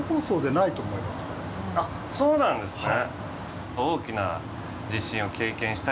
あっそうなんですね。